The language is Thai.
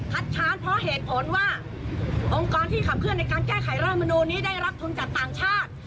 ค้านเพราะเหตุผลว่าองค์กรที่ขับเคลื่อนในการแก้ไขรัฐมนูลนี้ได้รับทุนจากต่างชาติ